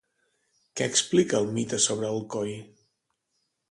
Què explica el mite sobre Alcoi?